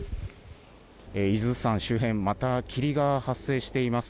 伊豆山周辺、また霧が発生しています。